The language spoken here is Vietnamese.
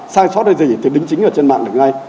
sai xót hay gì thì đính chính ở trên mạng được ngay